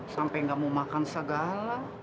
sampai gak mau makan segala